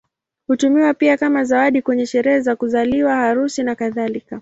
Hutumiwa pia kama zawadi kwenye sherehe za kuzaliwa, harusi, nakadhalika.